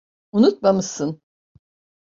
Unutmamışsın.